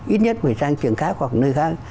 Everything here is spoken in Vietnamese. ít nhất phải sang trường khác hoặc nơi khác